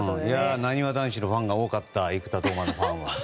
なにわ男子のファンが多かったね、生田斗真のファン。